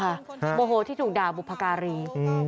เพราะโมโฮค่ะโมโฮที่ถูกด่าบุภการี